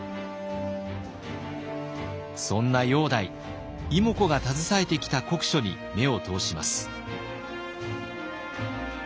そんな煬帝妹子が携えてきた国書に目を通します。